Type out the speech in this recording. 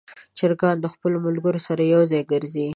چرګان د خپلو ملګرو سره یو ځای ګرځي.